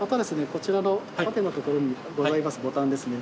こちらの縦の所にございますボタンですね